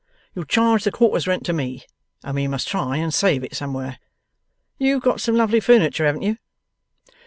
You'll charge the quarter's rent to me, and we must try and save it somewhere. You've got some lovely furniture; haven't you?